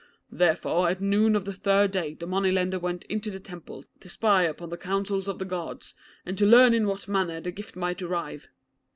Therefore at noon of the third day the money lender went into the temple to spy upon the councils of the Gods, and to learn in what manner that gift might arrive.